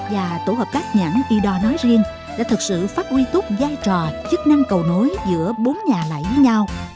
và tổ hợp tác nhãn y đo nói riêng đã thực sự phát huy tốt giai trò chức năng cầu nối giữa bốn nhà lãnh nhau